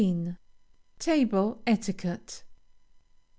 TABLE ETIQUETTE.